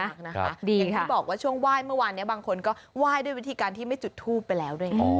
อย่างที่บอกว่าช่วงไหว้เมื่อวานนี้บางคนก็ไหว้ด้วยวิธีการที่ไม่จุดทูปไปแล้วด้วยไง